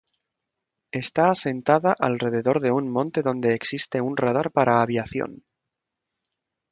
Está asentada alrededor de un monte donde existe un radar para aviación.